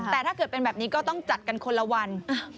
แต่ถ้าเกิดเป็นแบบนี้ก็ต้องจัดกันคนละวัน